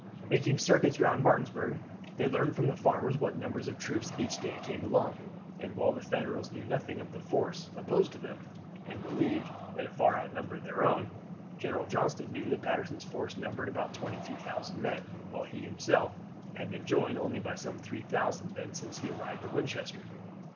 Making circuits round Martinsburg, they learned from the farmers what numbers of troops each day came along; and while the Federals knew nothing of the force opposed to them, and believed that it far outnumbered their own, General Johnston knew that Patterson's force numbered about 22,000 men, while he himself had been joined only by some 3,000 men since he arrived at Winchester.